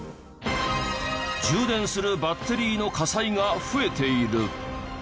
充電するバッテリーの火災が増えている。